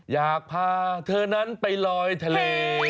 อยากพาเธอนั้นไปลอยทะเล